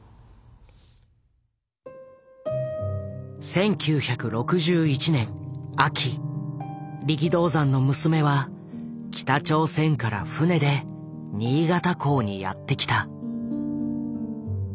１９６１年秋力道山の娘は北朝鮮から船で新潟港にやって来た。